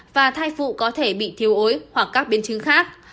và thai phụ có thể bị thiếu ối hoặc các biến chứng khác